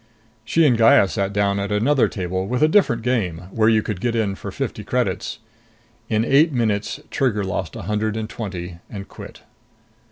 She and Gaya sat down at another table, with a different game, where you could get in for fifty credits. In eight minutes Trigger lost a hundred and twenty and quit.